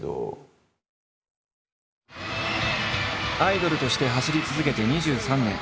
アイドルとして走り続けて２３年。